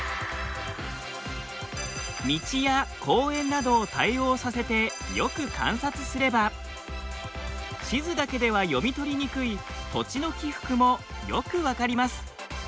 道や公園などを対応させてよく観察すれば地図だけでは読み取りにくい土地の起伏もよく分かります。